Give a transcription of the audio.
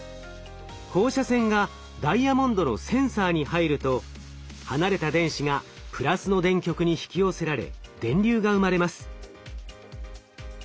放射線がダイヤモンドのセンサーに入ると離れた電子がプラスの電極に引き寄せられ電流が生まれます。